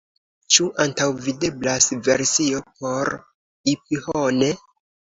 Ĉu antaŭvideblas versio por iPhone?